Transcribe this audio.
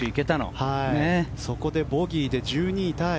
そこでボギーで１２位タイ。